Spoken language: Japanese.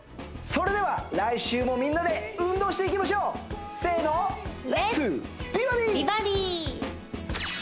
それでは来週もみんなで運動していきましょうせーのレッツ！